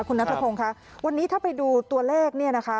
คุณนัทพงศ์ค่ะวันนี้ถ้าไปดูตัวเลขเนี่ยนะคะ